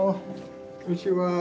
こんにちは。